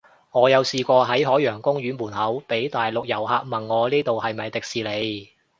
我有試過喺海洋公園門口，被大陸遊客問我呢度係咪迪士尼